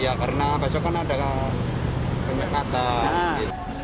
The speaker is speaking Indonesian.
ya karena besok kan ada penyekatan